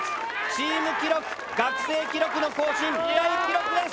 チーム記録学生記録の更新大記録です。